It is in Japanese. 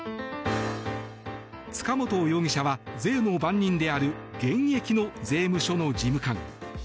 塚本容疑者は税の番人である現役の税務署の事務官。